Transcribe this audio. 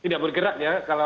tidak bergerak ya